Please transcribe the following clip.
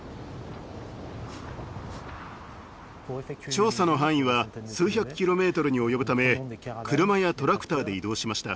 調査の範囲は数百キロメートルに及ぶため車やトラクターで移動しました。